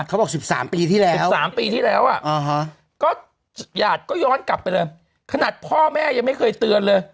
เขาบอก๑๓ปีที่แล้ว๑๓ปีที่แล้วก็หยาดก็ย้อนกลับไปเลยขนาดพ่อแม่ยังไม่เคยเตือนเลย